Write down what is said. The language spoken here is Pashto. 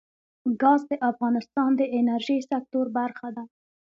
ګاز د افغانستان د انرژۍ سکتور برخه ده.